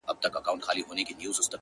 انساني درد تر ټولو ژور دی,